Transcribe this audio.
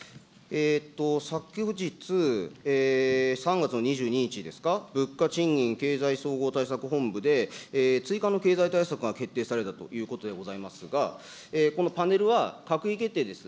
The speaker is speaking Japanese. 昨日、３月の２２日ですか、物価賃金経済総合対策本部で、追加の経済対策が決定されたということでございますが、このパネルは閣議決定です。